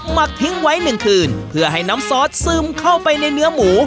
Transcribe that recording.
หักทิ้งไว้หนึ่งคืนเพื่อให้น้ำซอสซึมเข้าไปในเนื้อหมู